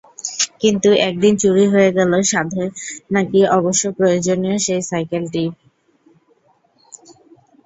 কিন্তু একদিন চুরি হয়ে গেল সাধের নাকি অবশ্য প্রয়োজনীয় সেই সাইকেলটি।